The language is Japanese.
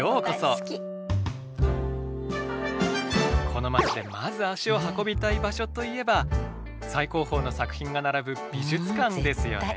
この街でまず足を運びたい場所といえば最高峰の作品が並ぶ美術館ですよね。